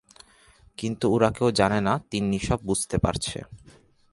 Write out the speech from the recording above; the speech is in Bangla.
কিন্তু ওরা কেউ জানে না, তিন্নি সব বুঝতে পারছে।